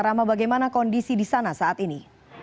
rama bagaimana kondisi di sana saat ini